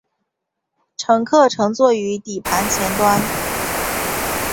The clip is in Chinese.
乘员乘坐于底盘前端。